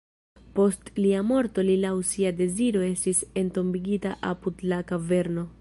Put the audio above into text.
Post lia morto li laŭ sia deziro estis entombigita apud la kaverno.